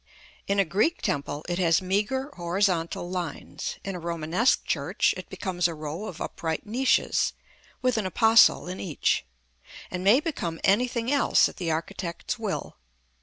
In a Greek temple, it has meagre horizontal lines; in a Romanesque church, it becomes a row of upright niches, with an apostle in each; and may become anything else at the architect's will.